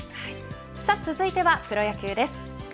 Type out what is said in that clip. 続いてはプロ野球です。